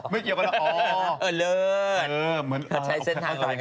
ไม่เกี่ยวกับเราอ๋อเลิศใช้เส้นทางเราเป็นการติดต่อ